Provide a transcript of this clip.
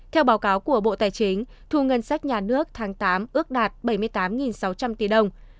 theo báo cáo của bộ tài chính thu ngân sách nhà nước tháng tám ước đạt bảy mươi tám sáu trăm linh tỷ đồng